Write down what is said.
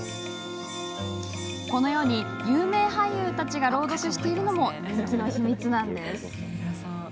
このように、有名俳優たちが朗読しているのも人気の秘密なんです。